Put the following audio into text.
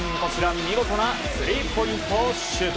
見事なスリーポイントシュート。